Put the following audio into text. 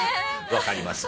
わかります。